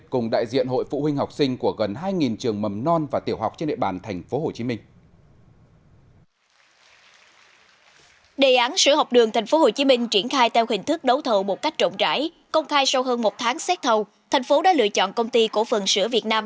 cùng đại diện hội phụ huynh học sinh của gần hai trường mầm non và tiểu học trên địa bàn tp hcm